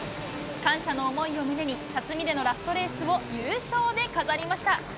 感謝の思いを胸に、辰巳でのラストレースを優勝で飾りました。